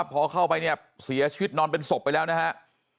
พอเข้าไปเนี่ยเสียชีวิตนอนเป็นศพไปแล้วนะครับ